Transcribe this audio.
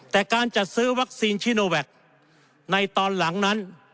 แต่การจัดซื้อวัคซีนชิโนแวคในตอนหลังนั้น